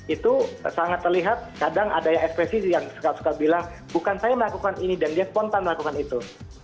itu sangat terlihat kadang ada yang ekspresi yang suka suka bilang bukan saya melakukan ini dan dia spontan melakukan itu